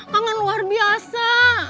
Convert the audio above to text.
kangen luar biasa